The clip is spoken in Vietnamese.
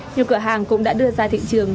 nhiều cửa hàng cũng đã đưa ra thị trường